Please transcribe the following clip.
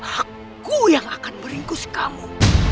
aku yang akan meringkus kamu